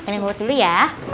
minum obat dulu ya